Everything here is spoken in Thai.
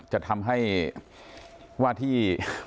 จะทำให้ว่าที่